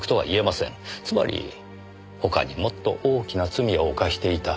つまり他にもっと大きな罪を犯していた。